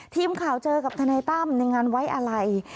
ทีมข่าวเจอกับทนายตั้มในงานไว้อะไร